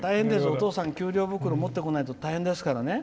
お父さんが給料袋、持ってこないと大変ですからね。